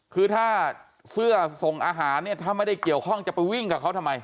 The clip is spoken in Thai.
คือถ้าเสื้อส่งอาหารเนี่ยถ้าไม่ได้เกี่ยวข้องจะไปวิ่งกับเขาทำไม